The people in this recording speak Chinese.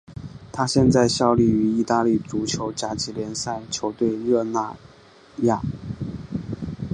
他现在效力于意大利足球甲级联赛球队热那亚。